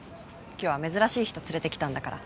今日は珍しい人連れてきたんだから。